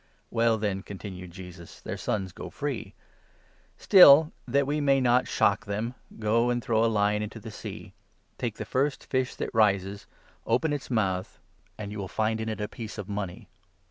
26 "Well then," continued Jesus, "their sons go free. Still, 27 that we may not shock them, go and throw a line into the Sea ; take the first fish that rises, open its mouth, and you " Deut. 3». 5. 28 HOB. 6. a. MATTHEW, 17 18. 75 will find in it a piece of money.